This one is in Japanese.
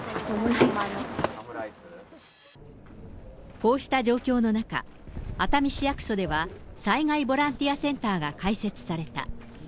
こうした状況の中、熱海市役所では、災害ボランティアセンターが開設された。